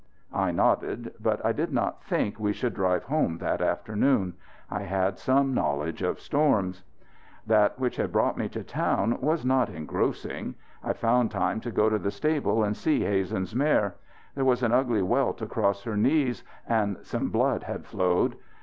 I nodded. But I did not think we should drive home that afternoon. I had some knowledge of storms. That which had brought me to town was not engrossing. I found time to go to the stable and see Hazen's mare. There was an ugly welt across her knees and some blood had flowed.